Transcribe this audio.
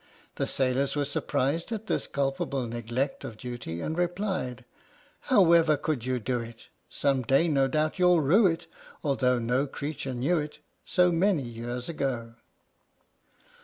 "PINAFORE" sailors were surprised at this culpable neglect of duty and replied: However could you do it? Some day no doubt you'll rue it, Although no creature knew it So many years ago!